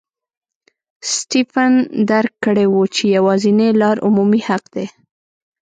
سټېفن درک کړې وه چې یوازینۍ لار عمومي حق دی.